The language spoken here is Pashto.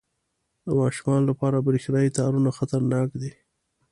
• د ماشومانو لپاره برېښنايي تارونه خطرناک دي.